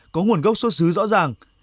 có nguồn gốc xuất xứ rõ ràng